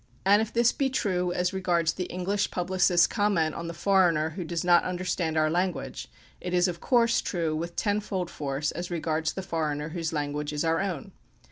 And if this be true as regards the English publicist's comment on the foreigner who does not understand our language, it is, of course, true with tenfold force as regards the foreigner whose language is our own.